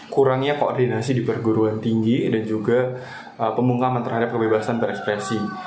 kurangnya koordinasi di perguruan tinggi dan juga pemungkaman terhadap kebebasan berekspresi